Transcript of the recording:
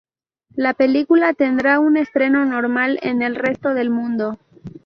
La película tendrá un estreno normal en el resto del mundo.